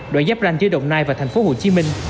đoạn giáp ranh giữa đồng nai và tp hcm